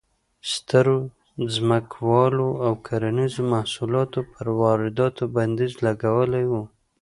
سترو ځمکوالو د کرنیزو محصولاتو پر وارداتو بندیز لګولی و.